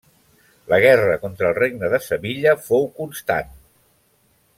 La guerra contra el Regne de Sevilla fou constant.